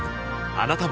あなたも